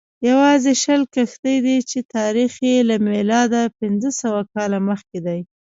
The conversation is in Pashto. یوازې شل کښتۍ دي چې تاریخ یې له میلاده پنځه سوه کاله مخکې دی